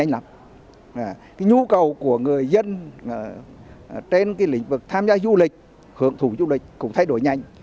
nhu cầu của người dân trên lĩnh vực tham gia du lịch hưởng thủ du lịch cũng thay đổi nhanh